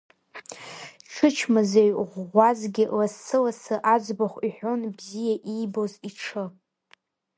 Дшычмазаҩ ӷәӷәазгьы лассы-лассы аӡбахә иҳәон бзиа иибоз иҽы…